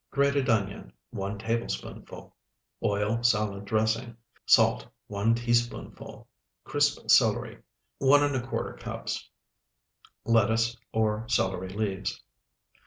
Grated onion, 1 tablespoonful. Oil salad dressing. Salt, 1 teaspoonful. Crisp celery, 1¼ cups. Lettuce or celery leaves.